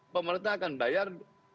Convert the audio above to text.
pemerintah akan bayar